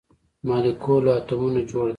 مالیکول له اتومونو جوړ دی